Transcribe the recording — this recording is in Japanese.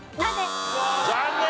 残念！